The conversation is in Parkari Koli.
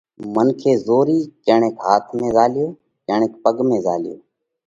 منکي زورِي ڪڻئڪ هاٿ ۾ زهاليو، ڪڻئڪ پڳ ۾ زهاليو،